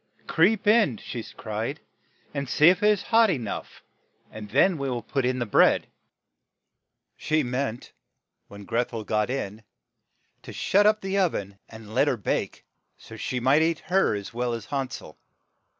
"Creep in," she cried, "and see if it is hot e nough, and then we will put in the bread." She meant when Greth el got in to shut up the o ven and let her bake, so that she might eat her as well as Han sel.